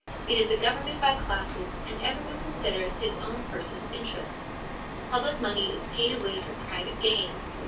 It is a government by classes, and every one considers his own personal interests. Public money is paid away for private gain.